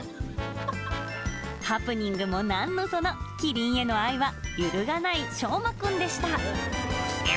ハプニングもなんのその、キリンへの愛は揺るがない、しょうまくんでした。